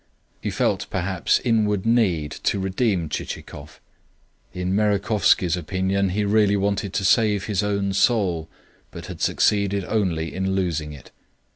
He felt perhaps inward need to redeem Chichikov; in Merejkovsky's opinion he really wanted to save his own soul, but had succeeded only in losing it.